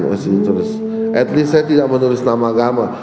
at least saya tidak menulis nama agama